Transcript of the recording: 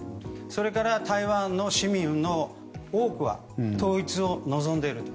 それから、台湾の市民の多くのは統一を望んでいると。